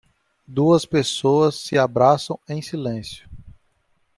Duas pessoas se abraçam em silêncio